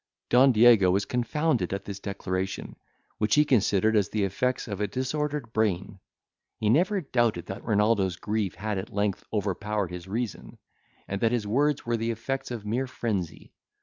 Don Diego was confounded at this declaration, which he considered as the effects of a disordered brain. He never doubted that Renaldo's grief had at length overpowered his reason, and that his words were the effects of mere frenzy.